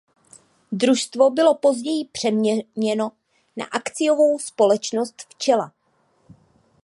Družstvo bylo později přeměněno na akciovou společnost Včela.